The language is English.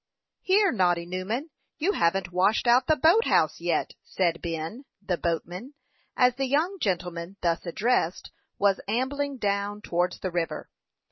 "Here, Noddy Newman! you haven't washed out the boat house yet," said Ben, the boatman, as the young gentleman thus addressed was ambling down towards the river.